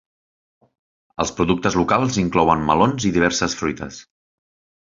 Els productes locals inclouen melons i diverses fruites.